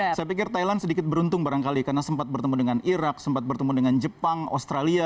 saya pikir thailand sedikit beruntung barangkali karena sempat bertemu dengan irak sempat bertemu dengan jepang australia